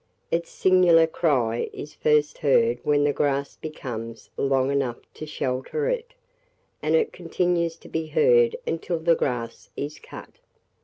Its singular cry is first heard when the grass becomes long enough to shelter it, and it continues to be heard until the grass is cut.